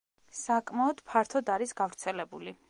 საკმაოდ ფართოდ არის გავრცელებული.